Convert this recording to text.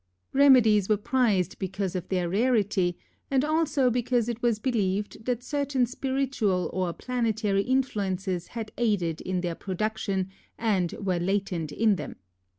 Remedies were prized because of their rarity, and also because it was believed that certain spiritual or planetary influences had aided in their production and were latent in them.